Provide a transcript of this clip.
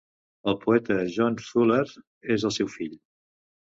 El poeta John Fuller és el seu fill.